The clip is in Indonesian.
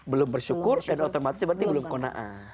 belum bersyukur dan otomatis berarti belum kona'ah